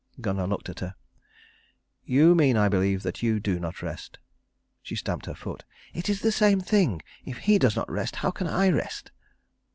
Gunnar looked at her. "You mean, I believe, that you do not rest." She stamped her foot. "It is the same thing. If he does not rest, how can I rest?"